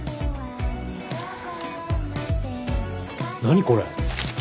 何これ？